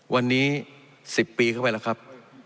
วันนี้๑๐ปีเข้าไปแล้วครับ